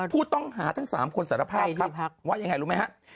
ผู้ต้องหาทั้ง๓คนสารภาพครับว่ายังไงรู้ไหมฮะ